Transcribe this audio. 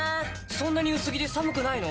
そんなに薄着で寒くないの？